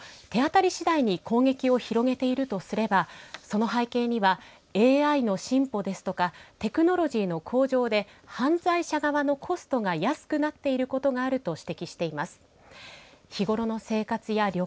下條教授によりますと手当たりしだいに攻撃を広げているとすればその背景にはＡＩの進歩ですとかテクノロジーの向上で犯罪者側のコストが安くなっていることがあると指摘しています。